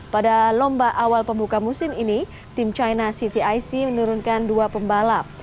pada lomba awal pembuka musim ini tim china cityc menurunkan dua pembalap